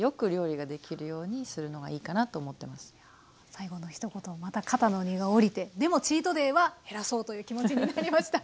最後のひと言また肩の荷が下りてでもチートデイは減らそうという気持ちになりました。